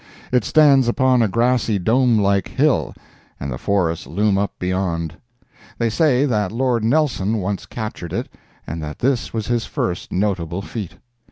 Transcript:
It stands upon a grassy dome like hill, and the forests loom up beyond. They say that Lord Nelson once captured it and that this was his first notable feat.